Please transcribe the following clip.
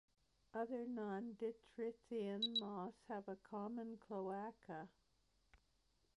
Other nonditrysian moths have a common cloaca.